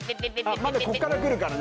まだここからくるからね。